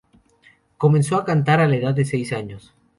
Comenzó a cantar a la edad de seis años.